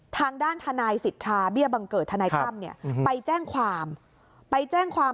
ทางด้านทนายสิทธาเบี้ยบังเกิดทนายกล้ำเนี่ยไปแจ้งความ